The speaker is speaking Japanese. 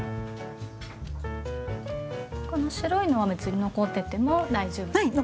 この白いのは別に残ってても大丈夫ですか？